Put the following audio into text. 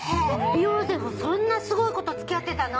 ヨーゼフそんなすごい子と付き合ってたの？